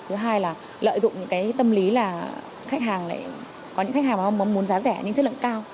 thứ hai là lợi dụng những cái tâm lý là có những khách hàng mà muốn giá rẻ nhưng chất lượng cao